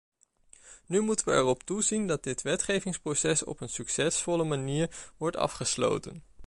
Nu moeten we erop toezien dat dit wetgevingsproces op een succesvolle manier wordt afgesloten.